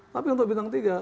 tapi untuk bintang tiga